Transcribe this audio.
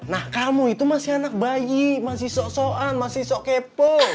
nah kamu itu masih anak bayi masih sok soan masih sok kepo